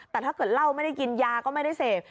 แต่ถ้าเกิดเหล้าไม่ได้กินยาก็ไม่ได้เสพ